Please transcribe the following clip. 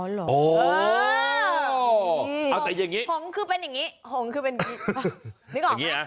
อ๋อหรออ๋อหงคือเป็นอย่างนี้นึกออกไหม